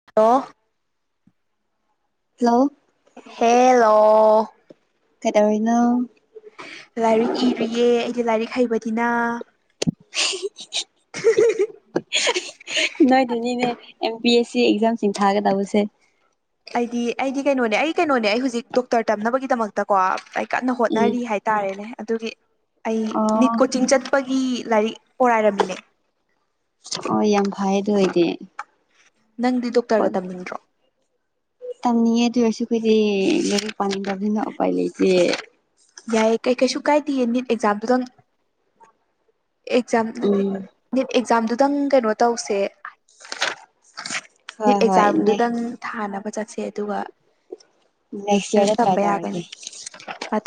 [unintelligible] Hello hello ꯀꯩꯗꯧꯔꯤꯅꯦ ꯂꯥꯏꯔꯤꯛ ꯏꯔꯤꯌꯦ ꯑꯩꯗꯤ ꯂꯥꯏꯔꯤꯛ ꯍꯩꯕꯅꯤꯅ ꯅꯣꯏꯗꯅꯤꯅꯦ ꯑꯦꯝ ꯄꯤ ꯑꯦꯁ ꯁꯤ ꯑꯦꯛꯖꯥꯝꯁꯤꯡ ꯊꯥꯒꯗꯧꯕꯁꯦ ꯑꯩꯗꯤ ꯑꯩꯗꯤ ꯀꯩꯅꯣꯅꯦ ꯑꯩ ꯀꯩꯅꯣꯅꯦ ꯑꯩ ꯍꯨꯖꯤꯛ ꯗꯣꯛꯇꯔ ꯇꯝꯅꯕꯒꯤꯗꯃꯛꯇꯀꯣ ꯑꯩ ꯀꯟꯅ ꯎꯝ ꯍꯣꯠꯅꯔꯤ ꯍꯥꯏ ꯇꯥꯔꯦꯅꯦ ꯑꯗꯨꯒꯤ ꯑꯩ ꯑꯣ ꯅꯤꯠ ꯀꯣꯆꯤꯡ ꯆꯠꯄꯒꯤ ꯂꯥꯏꯔꯤꯛ ꯑꯣꯔꯥꯏꯔꯝꯃꯤꯅꯦ ꯑꯣ ꯌꯥꯝ ꯐꯩ ꯑꯗꯨ ꯑꯣꯏꯗꯤ ꯅꯪꯗꯤ ꯍꯣꯏ ꯗꯣꯛꯇꯔꯒ ꯇꯝꯅꯤꯡꯗ꯭ꯔꯣ ꯇꯝꯅꯤꯡꯉꯦ ꯑꯗꯨ ꯑꯣꯏꯔꯁꯨ ꯈꯣꯏꯗꯤ ꯂꯩꯔꯤꯛ ꯄꯥꯅꯤꯡꯗꯕꯅꯤꯅ ꯎꯄꯥꯏ ꯂꯩꯇꯦ ꯌꯥꯏꯌꯦ ꯀꯩ ꯀꯩꯁꯨ ꯀꯥꯏꯗꯦ ꯅꯤꯠ ꯑꯦꯛꯖꯥꯝꯗꯨꯗꯪ ꯑꯦꯛꯖꯥꯝ ꯅꯠꯇꯦ ꯎꯝ ꯅꯤꯠ ꯑꯦꯛꯖꯥꯝꯗꯨꯗꯪ ꯀꯩꯅꯣ ꯇꯧꯁꯦ ꯍꯣꯏ ꯅꯤꯠ ꯍꯣꯏ ꯑꯦꯛꯖꯥꯝꯗꯨꯗꯪ ꯊꯥꯅꯕ ꯆꯠꯁꯦ ꯑꯗꯨꯒ ꯅꯦꯁ ꯑꯗꯨꯝ ꯌꯥꯔꯗ ꯇ꯭ꯔꯥꯏ ꯇꯝꯕ ꯇꯧꯔꯒꯦ ꯌꯥꯒꯅꯤ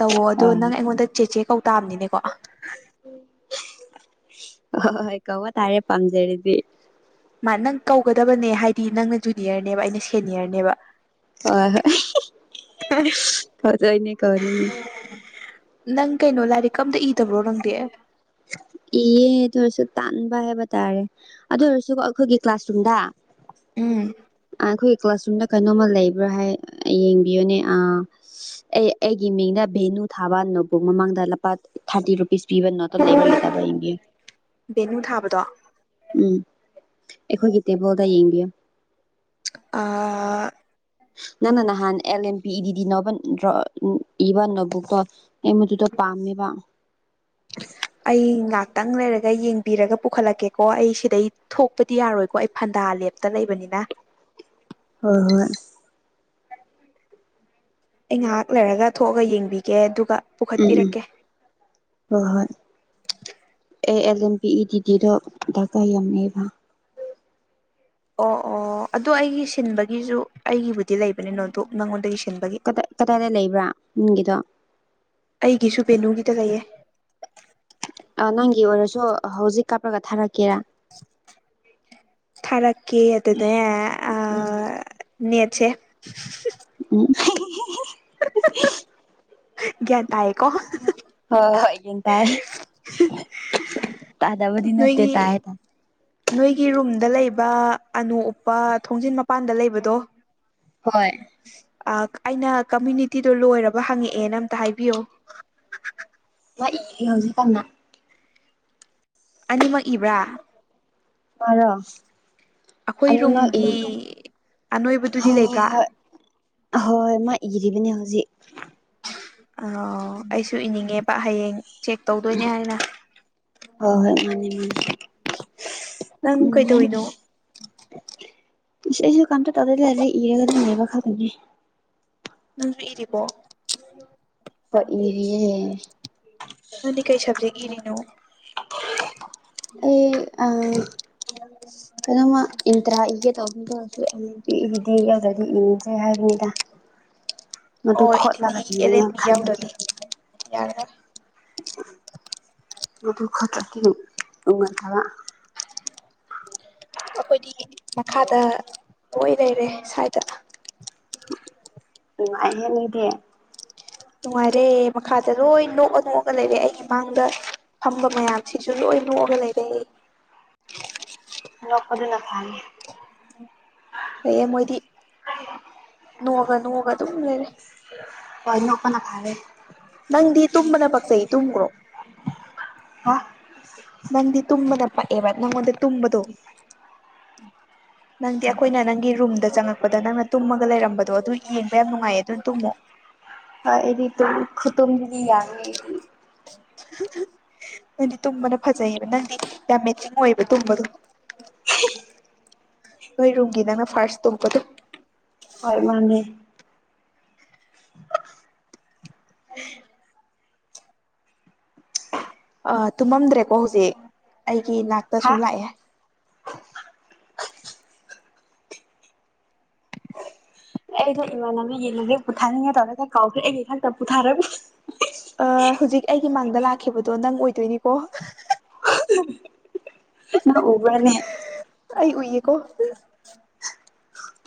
ꯇꯧꯋꯣ ꯑꯗꯣ ꯍꯣꯏ ꯅꯪ ꯑꯩꯉꯣꯟꯗ ꯆꯦ ꯆꯦ ꯀꯧꯇꯥꯥꯝꯅꯤꯅꯦꯀꯣ ꯍꯣ ꯍꯣꯏ ꯀꯧꯕ ꯇꯥꯔꯦ ꯄꯥꯝꯖꯔꯗꯤ ꯃꯥ ꯅꯪ ꯀꯧꯒꯗꯕꯅꯦ ꯍꯥꯏꯗꯤ ꯅꯪꯅ ꯖꯨꯅꯤꯌꯔꯅꯦꯕ ꯑꯩꯅ ꯁꯦꯅꯤꯌꯔꯅꯦꯕ ꯍꯣꯏ ꯍꯣꯏ ꯐꯗꯣꯏꯅꯦ ꯀꯧꯗꯣꯏꯅꯦ ꯅꯪ ꯀꯩꯅꯣ ꯂꯥꯏꯔꯤꯛ ꯀ ꯑꯝꯇ ꯏꯗꯕ꯭ꯔꯣ ꯅꯪꯗꯤ ꯏꯌꯦ ꯑꯗꯨ ꯑꯣꯏꯔꯁꯨ ꯇꯟꯕ ꯍꯥꯏꯕ ꯇꯥꯔꯦ ꯑꯗꯨ ꯑꯣꯏꯔꯁꯨꯀꯣ ꯑꯩꯈꯣꯏꯒꯤ ꯀ꯭ꯂꯥꯁꯔꯨꯝꯗ ꯎꯝ ꯑꯈꯣꯏ ꯀ꯭ꯂꯥꯁꯔꯨꯝꯗ ꯀꯩꯅꯣꯝꯃ ꯂꯩꯕ꯭ꯔꯥ ꯍꯥꯏ ꯌꯦꯡꯕꯤꯌꯨꯅꯦ ꯑꯥ ꯑꯩ ꯑꯩꯒꯤ ꯃꯤꯡꯗ ꯚꯦꯅꯨ ꯊꯥꯕꯅꯣꯕꯨꯛ ꯃꯃꯥꯡꯗ ꯂꯄꯥ ꯊꯥꯔꯇꯤ ꯔꯨꯄꯤꯁ ꯄꯤꯕ ꯅꯣꯠ ꯂꯩꯕꯔ ꯂꯤꯇꯕꯔ ꯌꯦꯡꯕꯤꯌꯨ ꯚꯦꯅꯨ ꯊꯥꯕꯗꯣ ꯎꯝ ꯑꯩꯈꯣꯏꯒꯤ ꯇꯦꯕꯜꯗ ꯌꯦꯡꯕꯤꯌꯣ ꯑꯥ ꯅꯪꯅ ꯅꯍꯥꯟ ꯑꯦꯜ ꯑꯦꯝ ꯄꯤ ꯏ ꯗꯤꯗꯤ ꯅꯣꯕꯟ ꯗ꯭ꯔꯣ ꯎꯡ ꯏꯕ ꯅꯣꯕꯨꯛꯇꯣ ꯑꯩ ꯃꯗꯨꯗꯣ ꯄꯥꯝꯃꯦꯕ ꯑꯩ ꯉꯥꯇꯪ ꯂꯩꯔꯒ ꯌꯦꯡꯕꯤꯔꯒ ꯄꯨꯈꯠꯂꯛꯀꯦꯀꯣ ꯑꯩ ꯁꯤꯗꯩ ꯊꯣꯛꯄꯗꯤ ꯌꯥꯔꯣꯏꯀꯣ ꯑꯩ ꯐꯟꯗꯥ ꯂꯦꯞꯇ ꯂꯩꯕꯅꯤꯅ ꯍꯣꯏ ꯍꯣꯏ ꯑꯩ ꯉꯥꯏꯍꯥꯛ ꯂꯩꯔꯒ ꯊꯣꯛꯑꯒ ꯌꯦꯡꯕꯤꯒꯦ ꯑꯗꯨꯒ ꯎꯝ ꯄꯨꯈꯠꯄꯤꯔꯛꯀꯦ ꯎꯝ꯫ ꯍꯣꯏ ꯍꯣꯏ ꯑꯦ ꯑꯦꯜ ꯑꯦꯝ ꯄꯤ ꯏ ꯗꯤꯗꯤꯗꯣ ꯗꯔꯀꯥꯔ ꯌꯥꯝꯅꯦꯕ꯫ ꯑꯣ ꯑꯣ ꯑꯗꯣ ꯑꯩꯒꯤ ꯁꯤꯟꯕꯒꯤꯖꯨ ꯑꯩꯒꯤꯕꯨꯗꯤ ꯂꯩꯕꯅꯦ ꯅꯣꯠꯕꯨꯛ ꯅꯉꯣꯟꯗꯒꯤ ꯁꯤꯟꯕꯒꯤ꯫ ꯀꯗꯥꯏꯗ ꯂꯩꯕ꯭ꯔꯥ ꯅꯪꯒꯤꯗꯣ꯫ ꯑꯩꯒꯤꯁꯨ ꯕꯦꯅꯨꯒꯤꯗ ꯂꯩꯩꯌꯦ꯫ ꯑ ꯅꯪꯒꯤ ꯑꯣꯏꯔꯁꯨ ꯍꯧꯖꯤꯛ ꯀꯥꯞꯄ꯭ꯔꯥꯒ ꯊꯥꯔꯛꯀꯦꯔꯥ꯫ ꯊꯥꯔꯛꯀꯦ ꯑꯗꯗꯅꯦ ꯑꯥ ꯎꯝ ꯅꯦꯠꯁꯦ ꯎꯝ ꯭ꯒ꯭ꯌꯥꯟ ꯇꯥꯏꯌꯦꯀꯣ꯫ ꯍꯣ ꯍꯣꯏ ꯒ꯭ꯌꯟ ꯇꯥꯏ ꯇꯥꯗꯕꯗꯤ ꯅꯠꯇꯦ ꯅꯣꯏꯒꯤ ꯇꯥꯏ꯫ ꯅꯣꯏꯒꯤ ꯔꯨꯝꯗ ꯂꯩꯕ ꯑꯅꯣꯞ ꯎꯞꯄ ꯊꯣꯡꯖꯤꯟ ꯃꯄꯥꯟꯗ ꯂꯩꯕꯗꯣ꯫ ꯍꯣꯏ ꯑ ꯑꯩꯅ ꯀꯝꯃ꯭ꯌꯨꯅꯤꯇꯤꯗꯣ ꯂꯣꯏꯔꯕ ꯍꯪꯉꯛꯑꯦꯅ ꯑꯝꯇ ꯍꯥꯏꯕꯤꯌꯣ꯫ ꯃꯥ ꯏꯔꯤ ꯍꯧꯖꯤꯛ ꯀꯥꯟꯅ꯫ ꯑꯅꯤꯃꯛ ꯏꯕ꯭ꯔꯥ꯫ ꯃꯥꯔꯣ꯫ ꯑꯩꯈꯣꯏ ꯑꯅꯤꯃꯛ ꯏ ꯔꯨꯝꯒꯤ ꯍꯣ ꯑꯅꯣꯏꯕꯗꯨꯗꯤ ꯍꯣ ꯂꯩꯕ꯭ꯔꯥ ꯍꯣꯏ꯫ ꯑꯍꯣꯏ ꯃꯥ ꯏꯔꯤꯕꯅꯦ ꯍꯧꯖꯤꯛ꯫ ꯑ ꯑꯩꯁꯨ ꯏꯅꯤꯡꯉꯦꯕ ꯍꯌꯦꯡ꯫ ꯆꯦꯛ ꯇꯧꯗꯣꯏꯅꯦ ꯍꯥꯏꯅ꯫ ꯍꯣꯏ ꯍꯣꯏ ꯃꯥꯅꯦ ꯃꯥꯅꯦ ꯅꯪ ꯀꯩ ꯗꯣꯏꯅꯣ꯫ ꯏꯁ ꯑꯩꯖꯨ ꯀꯝꯇ ꯇꯧꯗꯦꯗꯥ ꯂꯥꯏꯔꯤꯛ ꯏꯔꯒ ꯑꯗꯨꯝ ꯂꯦꯕ ꯈꯠꯇꯅꯤ꯫ ꯅꯪꯖꯨ ꯏꯔꯤꯕꯣ꯫ ꯍꯣꯏ ꯏꯔꯤꯌꯦ꯫ ꯅꯪꯗꯤ ꯀꯩ ꯁꯕꯖꯦꯛ ꯏꯔꯤꯅꯣ [inaudible] ꯑꯩ ꯑꯥ [inaudible] ꯀꯩꯅꯣꯃꯥ ꯏꯟꯇ꯭ꯔꯥ ꯏꯒꯦ ꯇꯧꯕ ꯇꯧꯔꯁꯨ [unintelligible] ꯏꯗꯤ ꯌꯥꯎꯗ꯭ꯔꯥꯗꯤ ꯏꯅꯤꯡꯗ꯭ꯔꯦ ꯍꯥꯏꯕꯅꯤꯗꯥ ꯑꯣ ꯏꯗꯤꯗꯤ ꯑꯦꯜ ꯏꯅꯤꯡꯉꯦ ꯑꯦꯝ ꯄꯤ ꯈꯟꯕꯒꯤ ꯌꯥꯎꯗ꯭ꯔꯥꯗꯤ [inaudible] ꯌꯥꯔꯔꯣꯏ [unintelligible] ꯑꯈꯣꯏꯗꯤ ꯃꯈꯥꯗ ꯀꯣꯏ ꯂꯩꯔꯦ ꯁꯥꯏꯗꯥ ꯅꯨꯉꯥꯏꯍꯦ ꯃꯤꯗꯤ ꯅꯨꯡꯉꯥꯏꯔꯦ ꯃꯈꯥꯗ ꯂꯣꯏ ꯅꯣꯛꯑ ꯅꯣꯛꯑꯒ ꯂꯩꯔꯦ ꯑꯩꯒꯤ ꯃꯥꯡꯗ ꯐꯝꯕ ꯃꯌꯥꯝꯁꯤꯡꯁꯨ ꯂꯣꯏ ꯅꯣꯛꯑꯒ ꯂꯩꯔꯦ ꯑꯅꯣꯛꯄꯗꯨꯅ ꯐꯥꯏ ꯐꯩꯌꯦ ꯃꯣꯏꯗꯤ ꯅꯣꯛꯑꯒ ꯅꯣꯛꯑꯒ ꯑꯗꯨꯝ ꯂꯩꯔꯦ ꯍꯣꯏ ꯅꯣꯛꯄꯅꯥ ꯐꯥꯔꯦ ꯅꯪꯗꯤ ꯇꯨꯝꯕꯅ ꯄꯛꯆꯩ ꯇꯨꯝꯒ꯭ꯔꯣ ꯍꯥ ꯅꯪꯗꯤ ꯇꯨꯝꯕꯅ ꯄꯛꯑꯦꯕ ꯅꯉꯣꯟꯗ ꯇꯨꯝꯕꯗꯣ ꯅꯪꯗꯤ ꯑꯈꯣꯏꯅ ꯅꯪꯒꯤ ꯔꯨꯝꯗ ꯆꯪꯉꯛꯄꯗ ꯅꯪꯅ ꯇꯨꯝꯃꯒ ꯂꯩꯔꯝꯕꯗꯣ ꯑꯗꯨ ꯌꯦꯡꯕ ꯌꯥꯝ ꯅꯨꯡꯉꯥꯏꯌꯦ ꯑꯗꯨ ꯇꯨꯝꯃꯣ ꯍꯣ ꯑꯩꯗꯤ ꯇꯨꯝ ꯈꯨꯇꯨꯝꯗꯤ ꯌꯥꯕꯅꯤ ꯑꯩꯗꯤ ꯅꯪꯗꯤ ꯇꯨꯝꯕꯅ ꯐꯖꯩꯌꯦꯕ ꯅꯪꯗꯤ ꯌꯥꯝ ꯃꯦꯆꯤꯡ ꯑꯣꯏꯌꯦꯕ ꯇꯨꯝꯕꯗꯣ [unintelligible] ꯅꯣꯏ ꯔꯨꯝꯒꯤ ꯅꯪꯅ ꯐꯥꯔꯁ ꯇꯨꯝꯄꯇꯣ ꯍꯣꯏ ꯃꯥꯅꯦ [inaudible] ꯑꯥ ꯇꯨꯝꯃꯝꯗ꯭ꯔꯦꯀꯣ ꯍꯧꯖꯤꯛ ꯑꯩꯒꯤ ꯅꯥꯛꯇꯥ ꯍꯥ ꯁꯨꯝ ꯂꯥꯛꯑꯦ ꯑꯩꯗꯣ ꯏꯃꯥꯟꯅꯕꯤꯒꯤ ꯂꯥꯏꯔꯤꯛ ꯄꯨꯊꯥꯅꯤꯉꯥꯏ ꯇꯧꯔꯒꯥ ꯀꯥꯎꯈ꯭ꯔꯦ ꯑꯩꯒꯤ ꯏꯊꯟꯇꯥ ꯄꯨꯊꯥꯔꯝ ꯑꯥ ꯍꯧꯖꯤꯛ ꯑꯩꯒꯤ ꯃꯥꯡꯗ ꯂꯥꯛꯈꯤꯕꯗꯣ ꯅꯪ ꯑꯣꯏꯗꯣꯏꯅꯤꯀꯣ ꯅꯪ ꯎꯕ꯭ꯔꯥꯅꯦ ꯑꯩ ꯎꯏꯌꯦꯀꯣ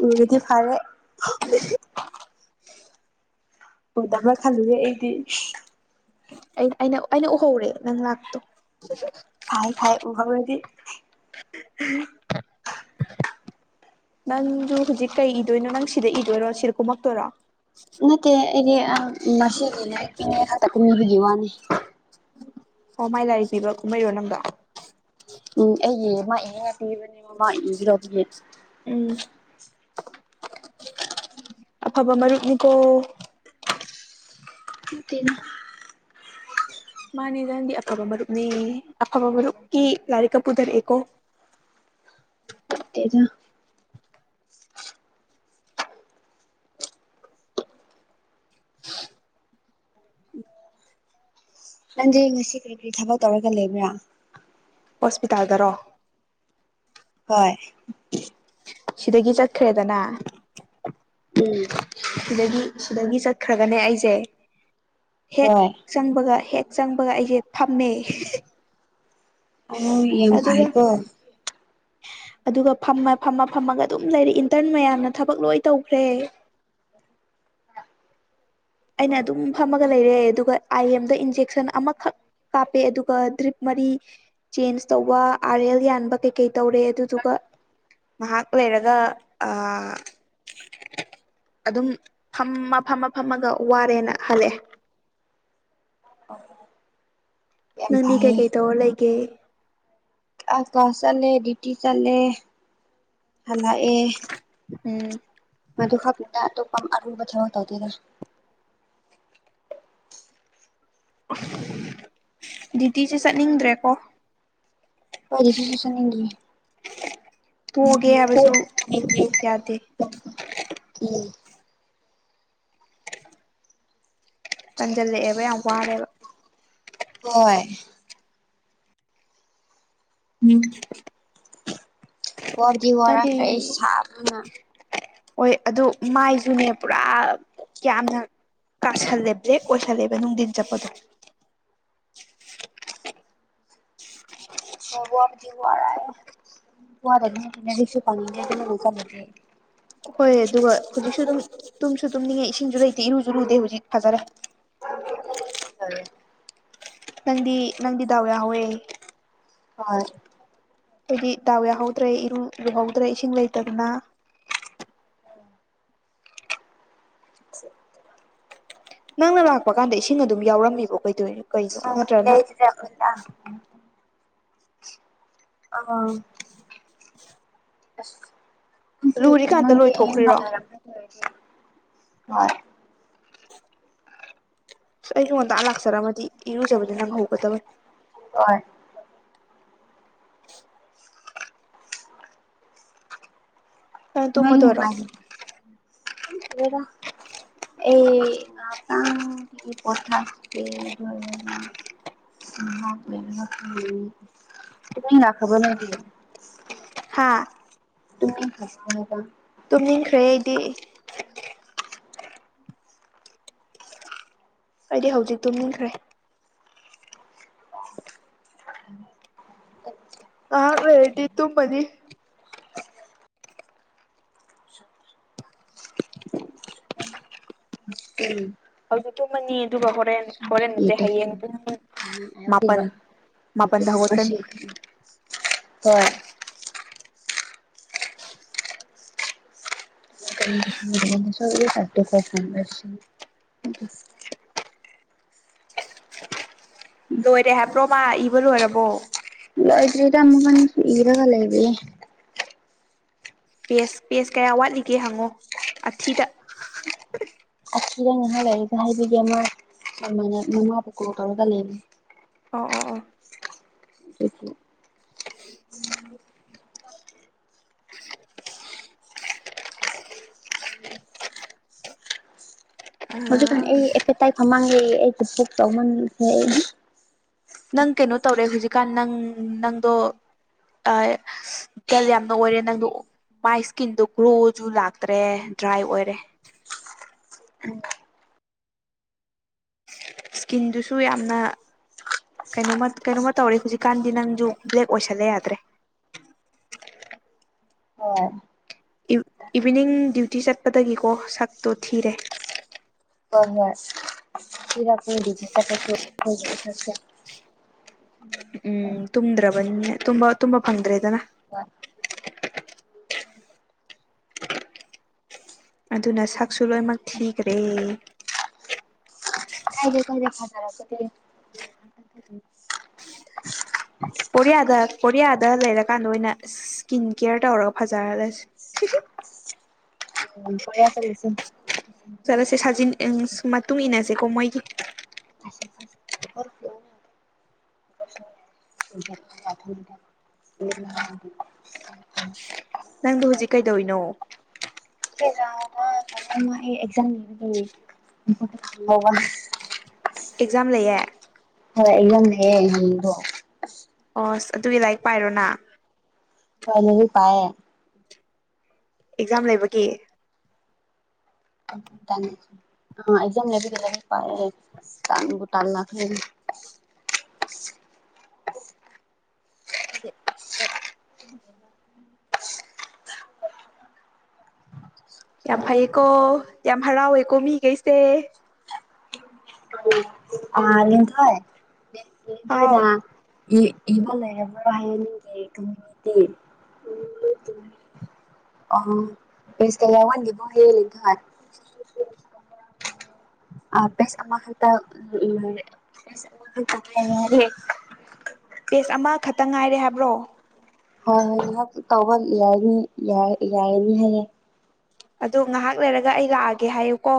ꯎꯔꯥꯗꯤ ꯐꯥꯔꯦ [unintelligible] ꯎꯗꯕ꯭ꯔꯥ ꯈꯜꯂꯨꯔꯦ ꯑꯩꯗꯤ ꯑꯩꯅ ꯑꯩꯅ ꯑꯩꯅ ꯎꯍꯧꯔꯦ ꯅꯪ ꯂꯥꯛꯄꯗꯣ ꯐꯥꯏ ꯐꯥꯏ ꯎꯍꯧꯔꯥꯗꯤ [unintelligible] ꯅꯪꯖꯨ ꯍꯨꯖꯤꯛ ꯀꯩ ꯏꯗꯣꯏꯅꯣ ꯅꯪ ꯁꯤꯗ ꯏꯗꯣꯏꯔꯣ ꯁꯤꯗꯥ ꯀꯨꯝꯃꯛꯇꯣꯏꯔꯣ ꯅꯠꯇꯦ ꯑꯩꯗꯤ ꯑꯥ ꯉꯁꯤꯒꯤ ꯅꯠꯇꯦ ꯈꯛꯇꯥ ꯀꯨꯝꯃꯤꯕꯒꯤ ꯋꯥꯅꯤ ꯑꯣ ꯃꯥꯏ ꯂꯥꯏꯔꯤꯛ ꯄꯤꯕ ꯀꯨꯝꯃꯛꯏꯔꯣ ꯅꯪꯗꯣ ꯎꯝ ꯑꯩꯒꯤ ꯃꯥ ꯏꯅꯤꯉꯥꯏ ꯄꯤꯕꯅꯦꯕ ꯃꯥ ꯏꯒꯗꯧꯕꯒꯤ ꯎꯝ ꯑꯐꯕ ꯃꯔꯨꯞꯅꯤꯀꯣ ꯅꯠꯇꯦꯅ ꯃꯥꯅꯦ ꯅꯪꯗꯤ ꯑꯐꯕ ꯃꯔꯨꯞꯅꯤ ꯑꯐꯕ ꯃꯔꯨꯞꯀꯤ ꯂꯥꯏꯔꯤꯛꯀꯥ ꯄꯨꯗꯔꯛꯑꯦꯀꯣ ꯇꯦꯗꯥ [inaudible] ꯎꯝ ꯅꯪꯗꯤ ꯉꯁꯤ ꯀ꯭ꯔꯤ ꯀ꯭ꯔꯤ ꯊꯕꯛ ꯇꯧꯔꯒꯥ ꯂꯩꯕ꯭ꯔꯥ ꯍꯣꯁꯄꯤꯇꯥꯜꯗꯔꯣ ꯍꯣꯏ ꯁꯤꯗꯒꯤ ꯆꯠꯈ꯭ꯔꯦꯗꯅ ꯎꯝ ꯁꯤꯗꯒꯤ ꯁꯤꯗꯒꯤ ꯆꯠꯈ꯭ꯔꯒꯅꯦ ꯑꯩꯁꯦ ꯍꯦꯛ ꯍꯣꯏ ꯆꯪꯕꯒ ꯍꯦꯛ ꯆꯪꯕꯒ ꯑꯩꯁꯦ ꯐꯝꯃꯦ ꯑꯧ ꯌꯦꯡ [inaudible] ꯑꯗꯨꯒ ꯐꯥꯏꯀꯣ ꯑꯗꯨꯒ ꯐꯝꯃ ꯐꯝꯃ ꯐꯝꯃꯒ ꯑꯗꯨꯝ ꯂꯩꯔꯦ ꯏꯟꯇ꯭ꯔꯟ ꯃꯌꯥꯝꯅ ꯊꯕꯛ ꯂꯣꯏ ꯇꯧꯈ꯭ꯔꯦ ꯑꯩꯅ ꯑꯗꯨꯝ ꯐꯝꯃꯒ ꯂꯩꯔꯦ ꯑꯗꯨꯒ ꯑꯥꯏ ꯑꯦꯝꯗ ꯏꯟꯖꯦꯛꯁꯟ ꯑꯃꯈꯛ ꯀꯥꯞꯄꯦ ꯑꯗꯨꯒ ꯗ꯭ꯔꯤꯞ ꯃꯔꯤ ꯆꯦꯟꯖ ꯇꯧꯕ ꯑꯥꯔ ꯑꯦꯜ ꯌꯥꯟꯕ ꯀꯩꯀꯩ ꯇꯧꯔꯦ ꯑꯗꯨꯗꯨꯒ ꯉꯍꯥꯛ ꯂꯩꯔꯒ ꯑ ꯑꯗꯨꯝ ꯐꯝꯃ ꯐꯝꯃ ꯐꯝꯃꯒ ꯋꯥꯔꯦꯅ ꯍꯜꯂꯛꯑꯦ ꯑꯣ ꯅꯪꯗꯤ ꯀꯩꯀꯩ ꯇꯧꯔ ꯂꯩꯒꯦ ꯑꯁ ꯀ꯭ꯂꯥꯁ ꯆꯠꯂꯦ ꯗ꯭ꯌꯨꯇꯤ ꯆꯠꯂꯦ ꯍꯜꯂꯛꯑꯦ ꯎꯝ ꯃꯗꯨ ꯈꯛꯇ ꯑꯇꯣꯞꯄ ꯑꯔꯨꯕ ꯊꯕꯛ ꯇꯧꯗꯦꯗ ꯀꯩꯁꯨ ꯗ꯭ꯌꯨꯇꯤꯁꯦ ꯆꯠꯅꯤꯡꯗ꯭ꯔꯦꯀꯣ ꯍꯣꯏ ꯗꯌ꯭ꯨꯨꯇꯤꯁꯨ ꯆꯠꯅꯤꯡꯗ꯭ꯔꯦ ꯇꯣꯛꯑꯒꯦ ꯀꯣꯛ ꯍꯥꯏꯕꯁꯨ ꯌꯥꯝ ꯏꯪꯅ [inaudible] ꯂꯩꯅꯤꯡꯉꯦ ꯌꯥꯗꯦ ꯎꯝ ꯇꯟꯖꯜꯂꯛꯑꯦꯕ ꯌꯥꯝ ꯋꯥꯔꯦꯕ ꯍꯣꯏ ꯎꯝ ꯋꯥꯕꯗꯤ ꯅꯪꯒꯤ ꯋꯥꯔꯛꯈ꯭ꯔꯦ ꯑꯩ ꯁꯥꯕꯅ ꯍꯣꯏ ꯑꯗꯨ ꯃꯥꯏꯁꯨꯅꯦ ꯄꯨꯔꯥ ꯌꯥꯝꯅ ꯀꯥꯁꯜꯂꯦ ꯕ꯭ꯂꯦꯛ ꯑꯣꯏꯁꯜꯂꯦꯕ ꯅꯨꯡꯗꯤꯟ ꯆꯠꯄꯒꯤ ꯋꯥꯕꯗꯤ ꯋꯥꯔꯦ ꯋꯥꯗꯕꯁꯨ [inaudible] ꯍꯣꯏ ꯑꯗꯨꯒ ꯍꯧꯖꯤꯛꯁꯨ ꯑꯗꯨꯝ ꯇꯨꯝꯁꯨ ꯇꯨꯝꯅꯤꯡꯉꯦ ꯏꯁꯤꯡꯁꯨ ꯂꯩꯇꯦ ꯏꯔꯨꯁꯨ ꯂꯨꯗꯦ ꯍꯧꯖꯤꯛ ꯐꯖꯔꯦ [inaudible] ꯅꯪꯗꯤ ꯅꯪꯗꯤ ꯗꯥꯎ ꯌꯥꯎꯍꯧꯋꯦ ꯍꯣꯏ ꯑꯩꯗꯤ ꯗꯥꯎ ꯌꯥꯎꯍꯧꯗ꯭ꯔꯦ ꯏꯔꯨ ꯂꯨꯍꯧꯗ꯭ꯔꯦ ꯏꯁꯤꯡ ꯂꯩꯇꯗꯅ ꯎꯝ [inaudible] ꯅꯪꯅ ꯂꯥꯛꯄ ꯀꯥꯟꯗ ꯏꯁꯤꯡ ꯑꯗꯨꯝ ꯌꯥꯎꯔꯝꯃꯤꯕꯣ ꯀꯩꯗꯧꯏꯅꯣ [inaudible] ꯑꯥ ꯑꯁ ꯂꯨꯔꯤꯀꯥꯟꯗ ꯅꯪꯗꯤ [inaudible] ꯂꯣꯏꯊꯣꯛꯈ꯭ꯔꯤꯔꯣ ꯍꯣꯏ ꯑꯩꯁꯨ ꯉꯟꯇꯥ ꯂꯥꯛꯆꯔꯝꯃꯗꯤ ꯏꯔꯨꯖꯕꯗꯨ ꯅꯪ ꯍꯧꯒꯗꯕꯅꯦ ꯍꯣꯏ ꯅꯪ [inaudible] ꯇꯨꯝꯃꯗꯣꯏꯔꯣ ꯈꯪꯗ꯭ꯔꯦꯗ ꯑꯩ ꯉꯥꯛꯇꯪꯗꯤ ꯄꯣꯊꯥꯒꯤꯒꯦ [inaudible] [inaudible] ꯅꯣꯏꯗꯤ ꯍꯥꯥ ꯇꯨꯝꯅꯤꯡꯈ꯭ꯔꯕ ꯍꯥꯏꯕ ꯇꯨꯝꯅꯤꯡꯈ꯭ꯔꯦ ꯑꯩꯗꯤ ꯑꯩꯗꯤ ꯍꯧꯖꯤꯛ ꯇꯨꯝꯅꯤꯡꯈ꯭ꯔꯦ ꯉꯍꯥꯛ ꯂꯩꯔꯗꯤ ꯇꯨꯝꯃꯅꯤ ꯀꯤꯝ ꯍꯧꯖꯤꯛ ꯇꯧꯝꯃꯅꯤ ꯑꯗꯨꯒ ꯍꯣꯔꯦꯟ ꯍꯣꯔꯦꯟ ꯅꯠꯇꯦ ꯍꯌꯦꯡ ꯄꯨꯡ ꯃꯥꯄꯜ ꯃꯥꯄꯜꯗ ꯍꯧꯒꯠꯀꯅꯤ [unintelligible] ꯍꯣꯏ [unintelligible] ꯂꯣꯏꯔꯦ ꯍꯥꯏꯕ꯭ꯔꯣ ꯃꯥ ꯏꯕ ꯂꯣꯏꯔꯕꯣ ꯂꯣꯏꯗ꯭ꯔꯤꯗ ꯃꯒꯟꯁꯨ ꯏꯔꯒ ꯂꯩꯔꯤꯌꯦ ꯄꯦꯁ ꯄꯦꯁ ꯀꯌꯥ ꯋꯥꯠꯂꯤꯒꯦ ꯍꯪꯉꯣ ꯑꯊꯤꯗ ꯑꯀꯤꯔ ꯉꯍꯥꯛ ꯂꯩꯔꯒ ꯍꯥꯏꯕꯤꯒꯦ ꯃꯥ ꯑꯗꯨꯃꯥꯏꯅ ꯃꯃꯥꯕꯨ ꯀꯣꯜ ꯇꯧꯔꯒ ꯂꯩꯕꯅꯦ ꯑꯣ ꯑꯣ [inaudible] [inaudible] ꯍꯧꯖꯤꯛꯀꯥꯟ ꯑꯣ ꯑꯩ ꯑꯦꯄꯦꯇꯥꯏꯠ ꯐꯃꯥꯡꯉꯦ ꯑꯩꯗꯤ ꯄꯨꯛ ꯆꯥꯎꯃꯟꯈ꯭ꯔꯦ ꯅꯪ ꯀꯩꯅꯣ ꯇꯧꯔꯦ ꯍꯧꯖꯤꯛꯀꯥꯟ ꯅꯪ ꯅꯪꯗꯣ ꯇꯥꯏ ꯗꯜ ꯌꯥꯝꯅ ꯑꯣꯏꯔꯦ ꯅꯪꯗꯣ ꯃꯥꯏ ꯁ꯭ꯀꯤꯟꯗꯣ ꯒ꯭ꯂꯣꯖꯨ ꯂꯥꯛꯇ꯭ꯔꯦ ꯗ꯭ꯔꯥꯏ ꯑꯣꯏꯔꯦ ꯁ꯭ꯀꯤꯟꯗꯨꯁꯨ ꯌꯥꯝꯅ ꯀꯩꯅꯣꯃ ꯀꯩꯅꯣꯃ ꯇꯧꯔꯦ ꯍꯧꯖꯤꯛꯀꯥꯟꯗꯤ ꯅꯪꯖꯨ ꯕ꯭ꯂꯦꯛ ꯑꯣꯏꯁꯜꯂꯦ ꯌꯥꯗ꯭ꯔꯦ ꯍꯣꯏ ꯏꯌꯨ ꯏꯚꯤꯅꯤꯡ ꯗ꯭ꯌꯨꯇꯤ ꯆꯠꯄꯗꯒꯤꯀꯣ ꯁꯛꯇꯣ ꯊꯤꯔꯦ ꯍꯣ-ꯍꯣꯏ ꯊꯤꯔꯛꯗꯤ ꯗ꯭ꯌꯨꯇꯤ ꯆꯠꯄꯁꯨ [inaudible] ꯎꯝ ꯇꯨꯝꯗ꯭ꯔꯕꯅꯤꯅ ꯇꯨꯝꯕ ꯇꯨꯝꯕ ꯐꯪꯗ꯭ꯔꯦꯗꯅ ꯑꯗꯨꯅ ꯁꯛꯁꯨ ꯂꯣꯏꯃꯛ ꯊꯤꯒ꯭ꯔꯦ ꯀꯔꯥꯏ ꯑꯈꯣꯏꯗꯩ ꯐꯖꯔꯛꯄꯗꯤ [inaudible] ꯀꯣꯔꯤꯌꯥꯗ ꯀꯣꯔꯤꯌꯥꯗ ꯂꯩꯔꯀꯥꯟꯗ ꯑꯣꯏꯅ ꯁ꯭ꯀꯤꯟ ꯀ꯭ꯌꯔ ꯇꯧꯔꯒ ꯐꯖꯍꯜꯂꯁꯤ [unintelligible] ꯎꯝ ꯀꯣꯔꯤꯌꯥ ꯆꯠꯂꯁꯤ ꯆꯠꯂꯁꯦ ꯁꯥꯖꯤꯟ ꯑꯦꯟꯁ ꯃꯇꯨꯡ ꯏꯟꯅꯁꯦꯀꯣ ꯃꯣꯏꯒꯤ [unintelligible] ꯀꯁꯣ [inaudible] [inaudible] ꯅꯪꯗꯣ ꯍꯨꯖꯤꯛ ꯀꯩꯗꯣꯏꯅꯣ [inaudible] ꯑꯦꯛꯖꯥꯝ ꯂꯩꯌꯦ ꯍꯣꯏ ꯑꯦꯛꯖꯥꯝ ꯂꯩꯌꯦ ꯍꯌꯦꯡꯗꯣ ꯑꯣꯁ ꯑꯗꯨꯒꯤ ꯂꯥꯏꯔꯤꯛ ꯄꯥꯏꯔꯣꯅ ꯈ꯭ꯋꯥꯏꯗꯒꯤ ꯄꯥꯏꯌꯦ ꯑꯦꯛꯖꯥꯝ ꯂꯩꯕꯒꯤ ꯑ ꯑꯦꯛꯖꯝ ꯂꯩꯕꯒꯤ ꯂꯥꯏꯔꯤꯛ ꯄꯥꯏꯑꯦ ꯑꯁ ꯇꯟꯕꯨ ꯇꯜꯂꯛꯈ꯭ꯔꯦꯅꯦ ꯌꯥꯝ ꯐꯩꯌꯦꯀꯣ ꯌꯥꯝ ꯍꯔꯥꯎꯋꯦꯀꯣ ꯃꯤꯒꯩꯁꯦ ꯑ ꯂꯤꯟꯊꯣꯏ ꯍꯥꯎ ꯂꯤꯟꯊꯣꯏꯅ ꯏ ꯏꯕ ꯂꯩꯔꯕ꯭ꯔꯣ [inaudible] ꯑꯪ ꯄꯦꯖ ꯀꯌꯥ ꯋꯥꯠꯂꯤꯕꯒꯦ ꯍꯥꯢ ꯑꯥ ꯄꯦꯖ ꯑꯃꯈꯛ UNINTELLIGIBLE ꯄꯦꯖ ꯑꯃꯈꯛꯇ ꯉꯥꯏꯔꯦ ꯍꯥꯏꯕ꯭ꯔꯣ ꯍꯣꯏ ꯉꯥꯏꯍꯥꯛ ꯇꯧꯕ ꯌꯥꯅꯤ ꯌꯥꯔꯅꯤ ꯍꯥꯏꯌꯦ ꯑꯗꯨ ꯉꯥꯏꯍꯥꯛ ꯂꯩꯔꯒ ꯑꯩ ꯂꯥꯛꯑꯒꯦ ꯍꯥꯏꯌꯨ ꯀꯣ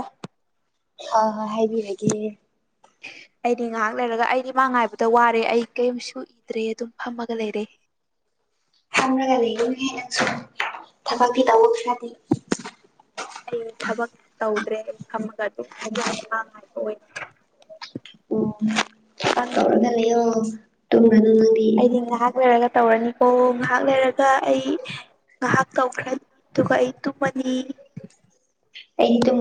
ꯍꯣꯏꯍꯣꯏ ꯍꯥꯏꯕꯤꯔꯒꯦꯌꯦ ꯑꯩꯗꯤ ꯉꯥꯏꯍꯥꯛ ꯂꯩꯔꯒ ꯑꯩꯗꯤ ꯃꯥ ꯉꯥꯏꯕꯗ ꯋꯥꯔꯦ ꯑꯩ ꯀꯔꯤꯝꯁꯨꯗ꯭ꯔꯦ ꯑꯗꯨꯝ ꯐꯝꯃꯒ ꯂꯩꯔꯦ UNINTELLIGIBLE ꯑꯩ ꯊꯕꯛ ꯇꯧꯗ꯭ꯔꯦ ꯐꯝꯃꯒ ꯑꯗꯨꯝ ꯂꯩꯔꯦ ꯃꯥꯥ ꯉꯥꯏꯕ ꯑꯣꯏꯅ UNINTELLIGIBLE ꯑꯩꯗꯤ ꯉꯥꯏꯍꯥꯛ ꯂꯩꯔꯒ ꯇꯧꯔꯅꯤ ꯑꯣ ꯉꯥꯏꯍꯥꯛ ꯂꯩꯔꯒ ꯑꯩ ꯉꯥꯏꯍꯥꯛ ꯇꯧꯈ꯭ꯔꯅꯤ ꯑꯗꯨꯒ ꯑꯩ ꯇꯨꯝꯃꯅꯤ ꯑꯩꯗꯤ ꯇꯨꯝꯒ꯭ꯔꯦ